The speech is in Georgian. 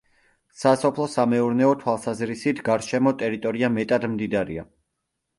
სასოფლო-სამეურნეო თვალსაზრისით გარშემო ტერიტორია მეტად მდიდარია.